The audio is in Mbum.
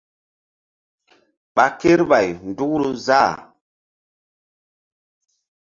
Ɓa kerɓay tul ndukru záh.